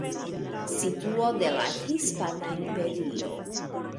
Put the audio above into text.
Situo de la Hispana Imperio.